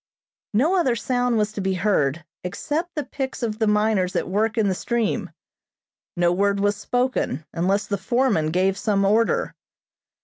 No other sound was to be heard except the picks of the miners at work in the stream. No word was spoken unless the foreman gave some order.